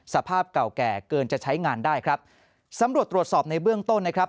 สภาพเก่าแก่เกินจะใช้งานได้ครับสำรวจตรวจสอบในเบื้องต้นนะครับ